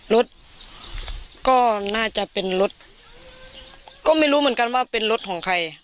รถก็น่าจะเป็นรถก็ไม่รู้เหมือนกันว่าเป็นรถของใคร